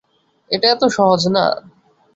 এটা এতো সহজ না।